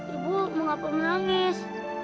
ibu mengapa menangis